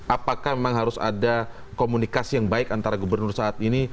apakah memang harus ada komunikasi yang baik antara gubernur saat ini